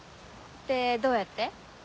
でどうやって？